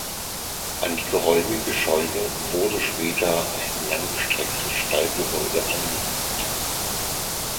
An die geräumige Scheune wurde später ein langgestrecktes Stallgebäude angefügt.